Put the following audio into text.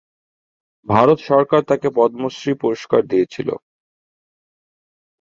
ভারত সরকার তাকে পদ্মশ্রী পুরস্কার দিয়েছিলো।